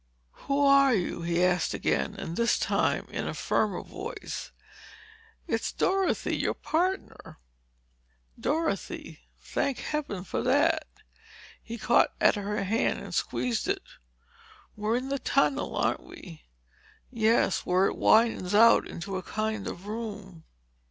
"Who are you?" he asked again and this time in a firmer voice. "It's Dorothy, your pardner!" "Dorothy? Thank Heaven for that." He caught at her hand and squeezed it. "We're in the tunnel, aren't we?" "Yes—where it widens out into a kind of room."